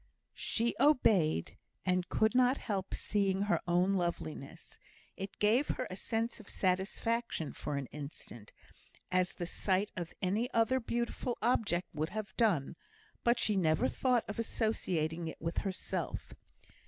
She obeyed, and could not help seeing her own loveliness; it gave her a sense of satisfaction for an instant, as the sight of any other beautiful object would have done, but she never thought of associating it with herself.